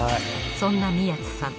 そんな宮津さん